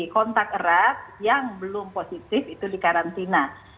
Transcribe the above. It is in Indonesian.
kontak erat yang belum positif itu dikarantina